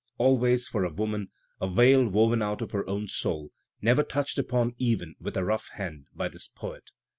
Always, for a woman, a veil woven out of her own soul — never touched upon even, with a rough hand, by this poet.